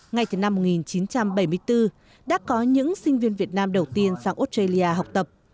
ngay từ năm một nghìn chín trăm bảy mươi bốn đã có những sinh viên việt nam đầu tiên sang australia học tập